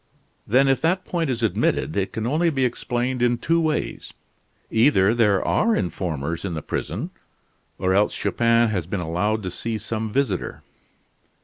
"Then if that point is admitted it can only be explained in two ways. Either there are informers in the prison, or else Chupin has been allowed to see some visitor."